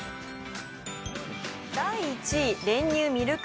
第１位練乳ミルク